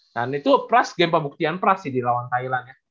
dan itu pras game pembuktian pras sih di lawan thailand ya